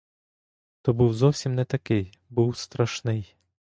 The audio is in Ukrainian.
То був зовсім не такий, був страшний.